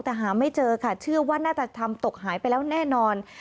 แต่หาไม่เจอค่ะเชื่อว่าน่าจะทำตกหายไปแล้วแน่นอน